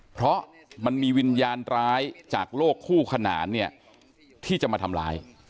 เพราะมันมีวิญญาณร้ายจากโลกคู่ขนานเนี่ยที่จะมาทำร้าย